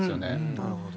なるほど。